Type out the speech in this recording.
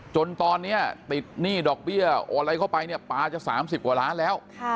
จนตอนนี้ติดหนี้ดอกเบี้ยโออะไรเข้าไปเนี่ยปลาจะ๓๐กว่าล้านแล้ว